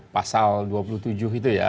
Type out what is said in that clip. pasal dua puluh tujuh itu ya